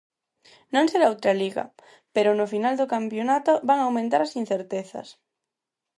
Non será outra Liga, pero no final do campionato van aumentar as incertezas.